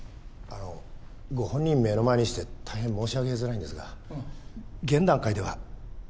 あのご本人目の前にして大変申し上げづらいのですが現段階では切除困難と判断致します。